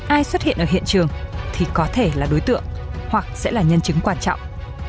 ai xuất hiện ở hiện trường thì có thể là đối tượng hoặc sẽ là nhân chứng quan trọng